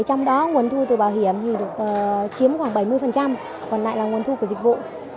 trong đó nguồn thu từ bảo hiểm thì chiếm khoảng bảy mươi còn lại là nguồn thu của dịch vụ